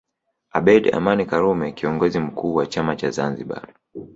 Abeid Aman Karume Kiongozi mkuu wa chama cha Zanzibar